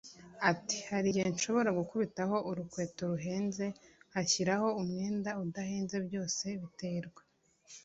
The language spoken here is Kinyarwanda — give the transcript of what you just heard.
Ati “Hari igihe nshobora gukubitaho urukweto ruhenze nkashyiraho umwenda udahenze byose biterwa